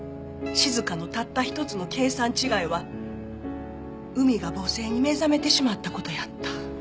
静香のたった一つの計算違いは海が母性に目覚めてしまった事やった。